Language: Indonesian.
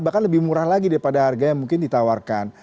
bahkan lebih murah lagi daripada harga yang mungkin ditawarkan